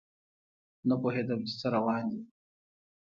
نه پوهیدم چې څه روان دي